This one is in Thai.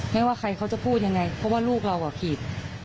ไม่ว่าใครเขาจะพูดยังไงเพราะว่าลูกเราผิด